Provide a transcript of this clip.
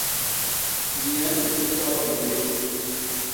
Nyemb i ntodol bé.